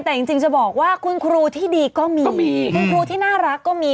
แต่จริงจะบอกว่าคุณครูที่ดีก็มีคุณครูที่น่ารักก็มี